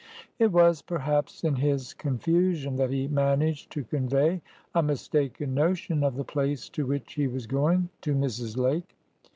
It was, perhaps, in his confusion that he managed to convey a mistaken notion of the place to which he was going to Mrs. Lake.